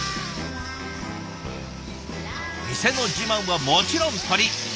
店の自慢はもちろん鶏。